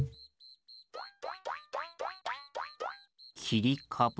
きりかぶ？